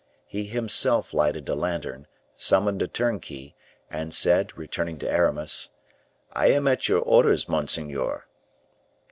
He himself lighted a lantern, summoned a turnkey, and said, returning to Aramis, "I am at your orders, monseigneur."